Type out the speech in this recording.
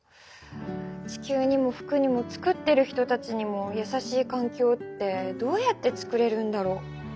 地球にも服にも作ってる人たちにもやさしい環境ってどうやって作れるんだろう？